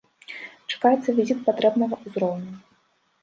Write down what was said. Чакаецца візіт патрэбнага ўзроўню.